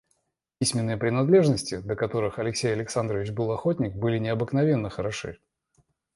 Письменные принадлежности, до которых Алексей Александрович был охотник, были необыкновенно хороши.